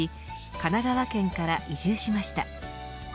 神奈川県から移住しました。